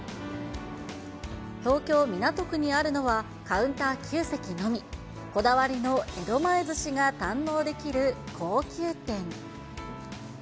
東京・港区にあるのは、カウンター９席のみ、こだわりの江戸前ずしが堪能できる高級店。